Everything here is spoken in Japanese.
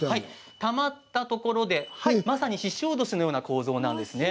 たまったところでししおどしのような構造なんですね。